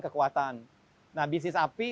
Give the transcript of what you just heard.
kekuatan nah bisnis api